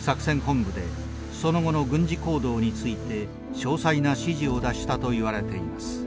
作戦本部でその後の軍事行動について詳細な指示を出したといわれています。